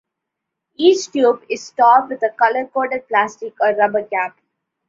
Each tube is topped with a color-coded plastic or rubber cap.